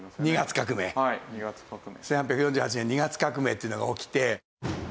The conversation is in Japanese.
１８４８年二月革命っていうのが起きて。